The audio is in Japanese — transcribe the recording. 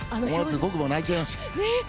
僕も泣いちゃいました。